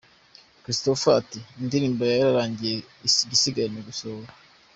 Christopher ati "indirimbo yararangiye isigaje gusohoka".